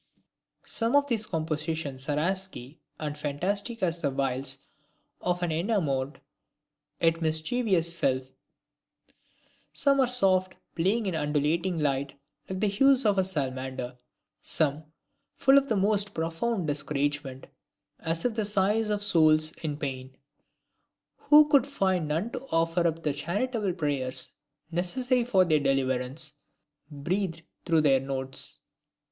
Some of these compositions are as gay and fantastic as the wiles of an enamored, yet mischievous sylph; some are soft, playing in undulating light, like the hues of a salamander; some, full of the most profound discouragement, as if the sighs of souls in pain, who could find none to offer up the charitable prayers necessary for their deliverance, breathed through their notes.